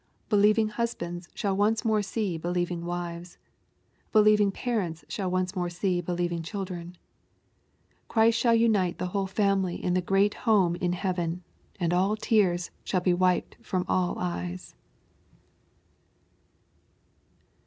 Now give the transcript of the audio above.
Believing husbands shall once more see J LUKE^ CHAP, VITI 289 Delieving wives. Believing parents shall once more see believing children. Christ shall unite the whole family in the great home in heaven, and all tears shall be wiped from all eyes.